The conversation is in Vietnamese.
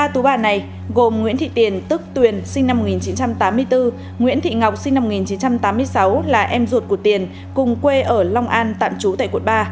ba tú bà này gồm nguyễn thị tiền tức tuyền sinh năm một nghìn chín trăm tám mươi bốn nguyễn thị ngọc sinh năm một nghìn chín trăm tám mươi sáu là em ruột của tiền cùng quê ở long an tạm trú tại quận ba